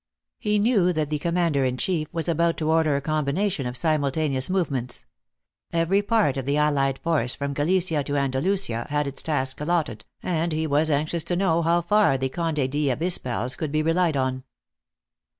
He knew that the commander in chief was about to order a combination of simultaneous movements. Every part of the allied force from Gal licia to Andalusia had its task allotted, and he was anxious to know how far the Conde di AbupaUs could be relied on.